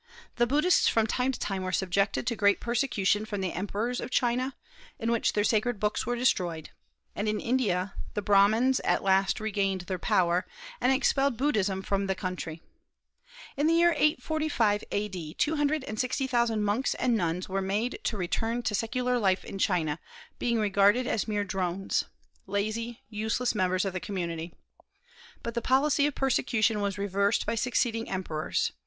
The Buddhists from time to time were subjected to great persecution from the emperors of China, in which their sacred books were destroyed; and in India the Brahmans at last regained their power, and expelled Buddhism from the country. In the year 845 A.D. two hundred and sixty thousand monks and nuns were made to return to secular life in China, being regarded as mere drones, lazy and useless members of the community. But the policy of persecution was reversed by succeeding emperors.